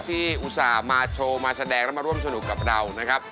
อุตส่าห์มาโชว์มาแสดงแล้วมาร่วมสนุกกับเรานะครับ